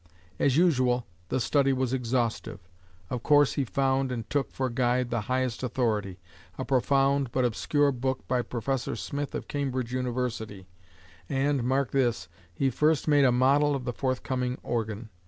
As usual, the study was exhaustive. Of course he found and took for guide the highest authority, a profound, but obscure book by Professor Smith of Cambridge University, and, mark this, he first made a model of the forthcoming organ.